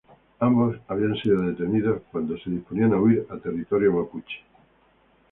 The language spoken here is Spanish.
Ambos habían sido detenidos cuando se disponían a huir a territorio mapuche.